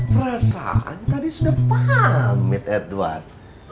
perasaan tadi sudah pamit edward